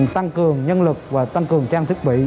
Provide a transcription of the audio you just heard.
tăng cường nhân lực và tăng cường trang thiết bị